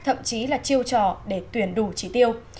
thậm chí là chiêu trò để tuyển đủ trị tiêu